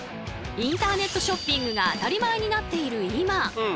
インターネットショッピングが当たり前になっている今。